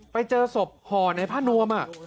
ไปเจอสมหอในผ้าเนวม